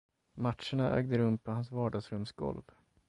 Matcherna ägde rum på hans vardagsrumsgolv.